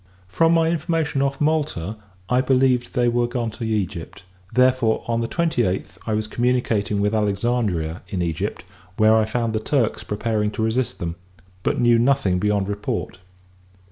From my information off Malta, I believed they were gone to Egypt: therefore, on the twenty eighth, I was communicating with Alexandria in Egypt; where I found the Turks preparing to resist them, but knew nothing beyond report.